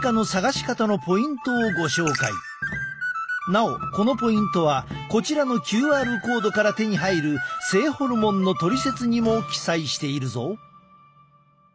なおこのポイントはこちらのＱＲコードから手に入る「性ホルモンのトリセツ」にも記載しているぞ。